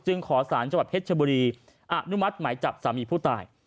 จึงขอสารจับประเภทเชบุรีอันนุมัติไหมจับสามีผู้ตาย